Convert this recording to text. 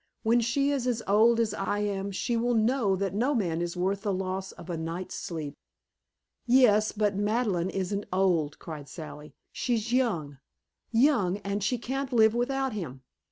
When she is as old as I am she will know that no man is worth the loss of a night's sleep." "Yes, but Madeleine isn't old!" cried Sally. "She's young young and she can't live without him.